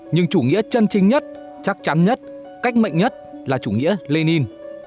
nhưng chủ nghĩa chân chính nhất chắc chắn nhất cách mạnh nhất là chủ nghĩa lenin